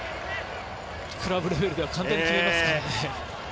クラブレベルではかなり決めていますからね。